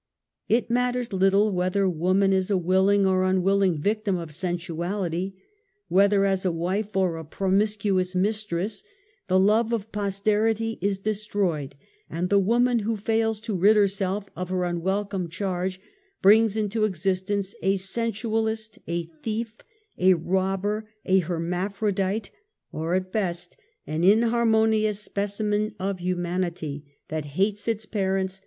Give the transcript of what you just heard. It matters little whether woman is a willing or unwilling victim of sensuality, whether as a wife or a promis cuous mistress, the love of posterity is destroyed, and the woman who fails to rid herself of her unwel come charge, brings into existence a sensualist, a thief, a robber, a hermaphrodite, or at best an inhar monious specimen of humanity, that hates its parents 10 146 UNMASKED.